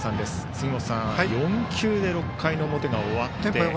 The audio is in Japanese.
杉本さん４球で６回の表が終わりました。